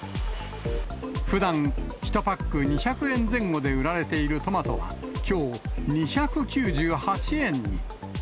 ふだん、１パック２００円前後で売られているトマトは、きょう、２９８円に。